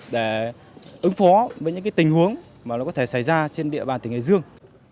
để ứng phó với những tình huống có thể xảy ra trên địa bàn tỉnh hải dương